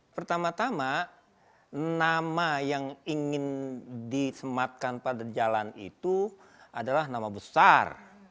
pertama tama nama yang ingin disematkan pada jalan itu adalah nama besar